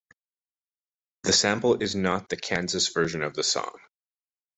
The sample is not the Kansas version of the song.